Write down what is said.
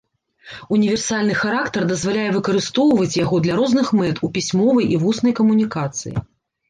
Універсальны характар дазваляе выкарыстоўваць яго для розных мэт у пісьмовай і вуснай камунікацыі.